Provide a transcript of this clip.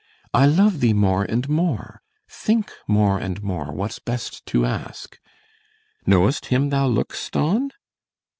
I love thee more and more; think more and more What's best to ask. Know'st him thou look'st on?